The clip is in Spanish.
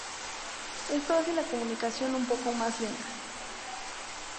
Esto hace la comunicación un poco más lenta.